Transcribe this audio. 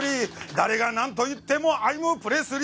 誰がなんと言ってもアイムプレスリー。